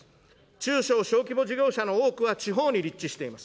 中小小規模事業者の多くは地方に立地しています。